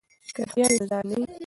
که رښتیا وي نو زال نه وي.